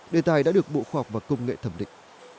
đề tài đã được bộ khoa học và công nghệ thẩm định